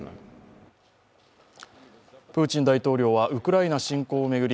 プーチン大統領はウクライナ侵攻を巡り